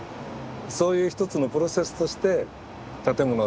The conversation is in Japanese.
そういう一つのプロセスとして建物を設計してるし